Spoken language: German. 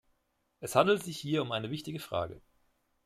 Es handelt sich hier um eine wichtige Frage.